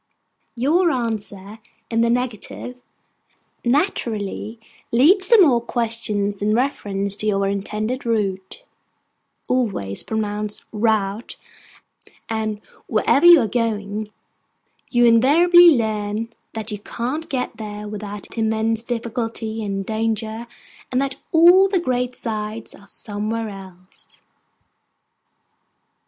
Your answer in the negative naturally leads to more questions in reference to your intended route (always pronounced rout); and wherever you are going, you invariably learn that you can't get there without immense difficulty and danger, and that all the great sights are somewhere else.